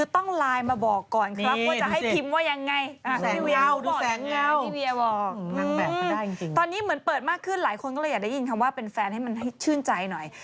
ตอนนี้เหมือนเปิดมากขึ้นหลายคนก็เลยอยากได้ยินคำว่าเป็นแฟนให้มันให้ชื่นใจหน่อย